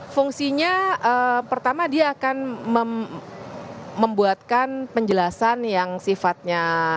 fungsinya pertama dia akan membuatkan penjelasan yang sifatnya